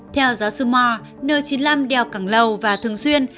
theo giáo sư mark n chín mươi năm đeo càng lâu và thường xuyên